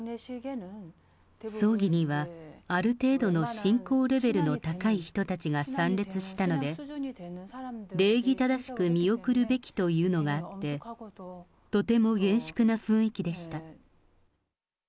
葬儀には、ある程度の信仰レベルの高い人たちが参列したので、礼儀正しく見送るべきというのがあって、とても厳粛な雰囲気でした。